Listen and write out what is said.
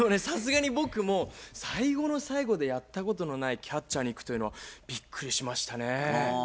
さすがに僕も最後の最後でやったことのないキャッチャーにいくというのはびっくりしましたね。